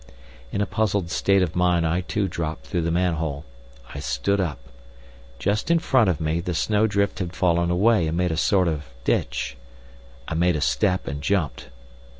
In a puzzled state of mind I too dropped through the manhole. I stood up. Just in front of me the snowdrift had fallen away and made a sort of ditch. I made a step and jumped.